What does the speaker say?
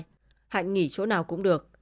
thứ một mươi hai hạnh nghỉ chỗ nào cũng được